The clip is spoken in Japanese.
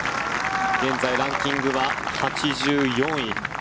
現在ランキングは８４位。